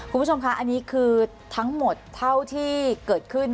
คุณผู้ชมคะอันนี้คือทั้งหมดเท่าที่เกิดขึ้น